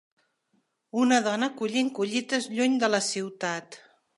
Una dona collint collites lluny de la ciutat.